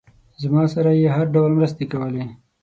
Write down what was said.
زما سره یې هر ډول مرستې کولې.